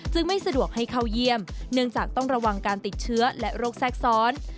ซึ่งไม่สะดวกให้เข้าเยี่ยมเนื่องจากต้องระวังการติดเชื้อและโรคแทรกซ้อน